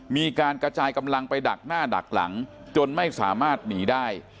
มีการกระจายกำลังไปดักหน้าดักหลังจนไม่สามารถหนีได้